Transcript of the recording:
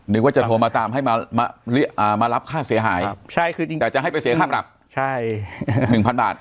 นึกว่าจะโทรมาตามให้มารับค่าเสียหายแต่จะให้ไปเสียค่าปรับ๑๐๐บาท